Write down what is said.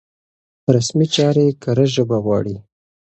رسمي چارې کره ژبه غواړي.